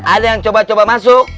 ada yang coba coba masuk